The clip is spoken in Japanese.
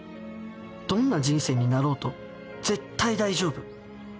どんな人生になろうとぜったい大丈夫。